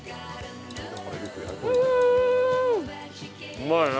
うまいね。